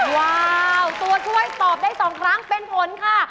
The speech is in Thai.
ว้าวตัวช่วยตอบได้๒ครั้งเป็นผลค่ะ